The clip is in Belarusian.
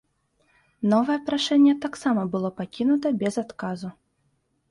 Новае прашэнне таксама было пакінута без адказу.